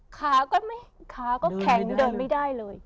ขาก็แข่งเดินไม่ได้เลย